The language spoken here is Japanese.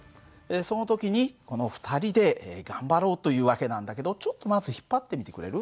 その時にこの２人で頑張ろうという訳なんだけどちょっとまず引っ張ってみてくれる？